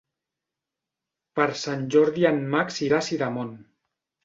Per Sant Jordi en Max irà a Sidamon.